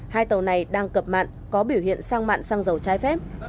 hai tàu này đang cập mạng có biểu hiện sang mạng xăng dầu trái phép